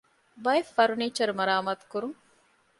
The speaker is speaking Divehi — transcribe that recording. ބައެއް ފަރުނީޗަރު މަރާމާތު ކުރަން